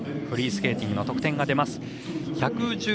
フリースケーティングの得点が出ます。